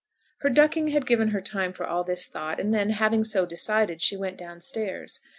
Her ducking had given her time for all this thought; and then, having so decided, she went downstairs.